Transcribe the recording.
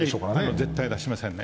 絶対出しませんね。